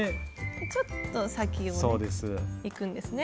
ちょっと先をいくんですね。